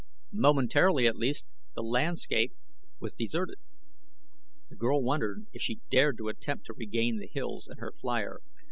Momentarily at least the landscape was deserted. The girl wondered if she dared to attempt to regain the hills and her flier.